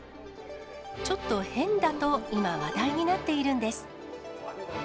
ちょっと変だと、今、話題になっているんです。